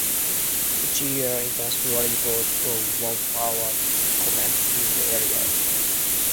Each year internationally bred or owned horses compete in the race.